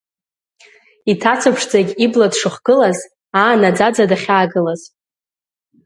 Иҭаца ԥшӡагь ибла дшыхгылаз, аа, наӡаӡа дахьаагылаз…